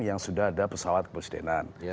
yang sudah ada pesawat kepresidenan